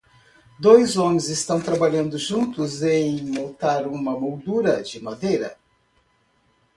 Dois homens estão trabalhando juntos em montar uma moldura de madeira.